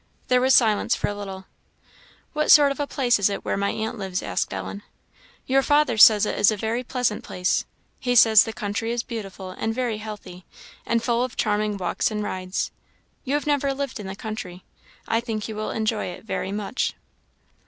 There was silence for a little. "What sort of a place is it where my aunt lives?" asked Ellen. "Your father says it is a very pleasant place; he says the country is beautiful, and very healthy, and full of charming walks and rides. You have never lived in the country; I think you will enjoy it very much."